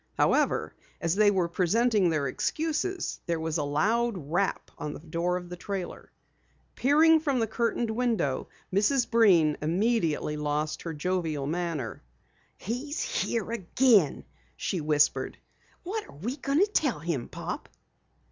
However, as they were presenting their excuses, there was a loud rap on the door of the trailer. Peering from the curtained window, Mrs. Breen immediately lost her jovial manner. "He's here again," she whispered. "What are we going to tell him, Pop?"